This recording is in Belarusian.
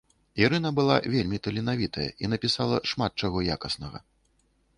Ірына была вельмі таленавітая і напісала шмат чаго якаснага.